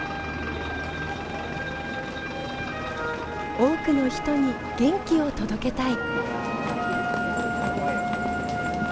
多くの人に元気を届けたい。